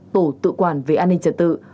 tổ tự quản về an ninh tổ quốc